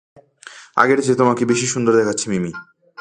আগের চেয়ে তোমাকে বেশি সুন্দর দেখাচ্ছে, মিমি।